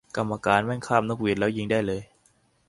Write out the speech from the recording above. กรรมการแม่งคาบนกหวีดแล้วยิงได้เลย